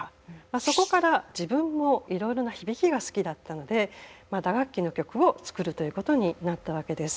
そこから自分もいろいろな響きが好きだったので打楽器の曲を作るということになったわけです。